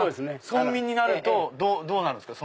村民になるとどうなるんですか？